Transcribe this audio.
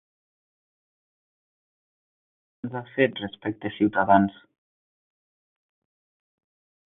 I quines declaracions ha fet respecte Ciutadans?